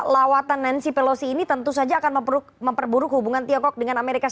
lawatan nancy pelosi ini tentu saja akan memperburuk hubungan tiongkok dengan amerika serikat